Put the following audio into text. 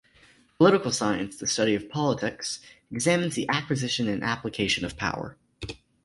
Political science, the study of politics, examines the acquisition and application of power.